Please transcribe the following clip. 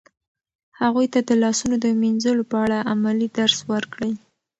هغوی ته د لاسونو د مینځلو په اړه عملي درس ورکړئ.